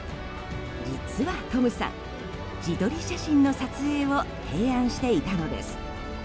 実はトムさん自撮り写真の撮影を提案していたのです。